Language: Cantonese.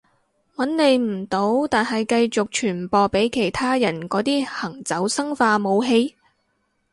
搵你唔到但係繼續傳播畀其他人嗰啲行走生化武器？